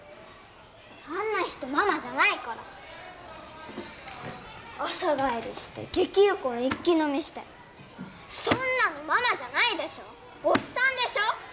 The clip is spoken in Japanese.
あんな人ママじゃないから朝帰りしてゲキウコン一気飲みしてそんなのママじゃないでしょおっさんでしょ！